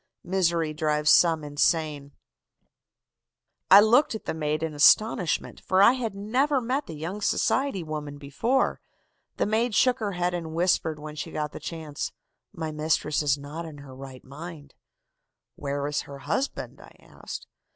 MISERY DRIVES SOME INSANE. "I looked at the maid in astonishment, for I had never met the young society woman before. The maid shook her head and whispered when she got the chance: "'My mistress is not in her right mind.' "'Where is her husband?' I asked.